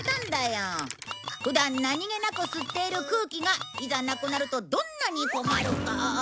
普段何げなく吸っている空気がいざなくなるとどんなに困るか。